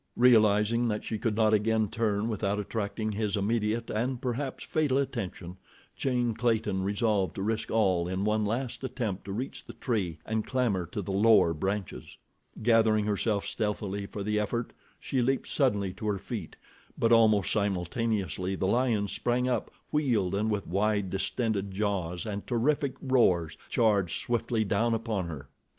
Realizing that she could not again turn without attracting his immediate and perhaps fatal attention, Jane Clayton resolved to risk all in one last attempt to reach the tree and clamber to the lower branches. Gathering herself stealthily for the effort, she leaped suddenly to her feet, but almost simultaneously the lion sprang up, wheeled and with wide distended jaws and terrific roars, charged swiftly down upon her.